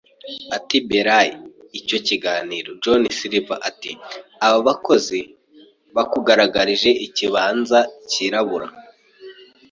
Ati: “Belay icyo kiganiro, John Silver”. Ati: “Aba bakozi bakugaragarije ikibanza cyirabura